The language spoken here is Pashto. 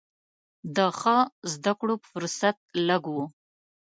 د ښه زده کړو فرصت لږ و.